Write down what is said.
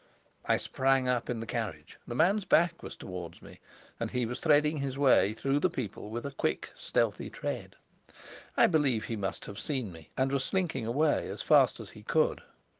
I sprang up in the carriage; the man's back was towards me, and he was threading his way through the people with a quick, stealthy tread. I believe he must have seen me, and was slinking away as fast as he could.